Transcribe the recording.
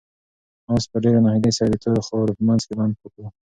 آس په ډېرې ناهیلۍ سره د تورو خاورو په منځ کې بند پاتې و.